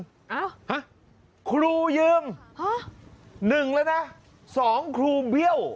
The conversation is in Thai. อ้าวฮะครูยืมฮะหนึ่งแล้วนะสองครูเบี้ยว